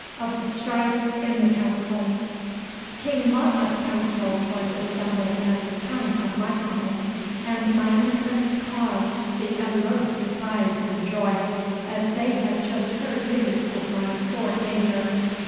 Of the Strife in the Council King Monmouth's council was assembled at the time of my coming, and my entrance caused the utmost surprise and joy, as they had just heard news of my sore danger.